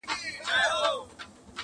کیسې د خان او د زامنو د آسونو کوي!.